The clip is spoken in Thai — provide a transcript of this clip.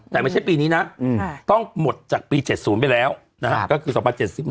แต่ไม่ใช่ปีนี้นะต้องหมดจากปี๗๐ไปแล้วคือ๒๐๗๐บาท